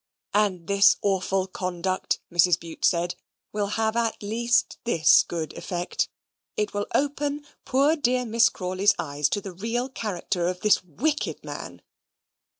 And this awful conduct, Mrs. Bute said, will have at least this good effect, it will open poor dear Miss Crawley's eyes to the real character of this wicked man.